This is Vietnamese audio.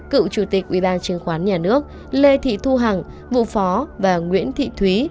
cựu chủ tịch ubnd lê thị thu hằng vụ phó và nguyễn thị thúy